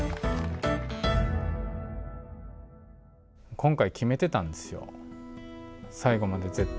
今回決めてたんですよ。